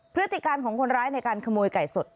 พฤติการของคนร้ายในการขโมยไก่สด